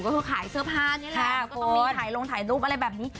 ก็คือขายเสื้อผ้านี่แหละแล้วก็ต้องมีถ่ายลงถ่ายรูปอะไรแบบนี้